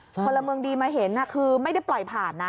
พลเมืองดีมาเห็นคือไม่ได้ปล่อยผ่านนะ